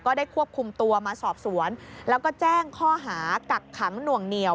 ได้ควบคุมตัวมาสอบสวนแล้วก็แจ้งข้อหากักขังหน่วงเหนียว